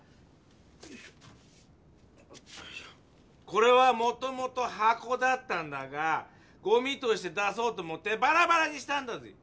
これはもともとはこだったんだがゴミとして出そうと思ってバラバラにしたんだぜぇ！